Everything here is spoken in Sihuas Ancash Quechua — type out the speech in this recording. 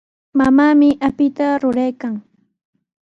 Mamaami apita ruraykan.